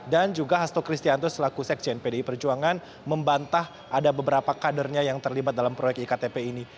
dan juga hasto kristianto selaku sekjen pdip perjuangan membantah ada beberapa kadernya yang terlibat dalam proyek iktp ini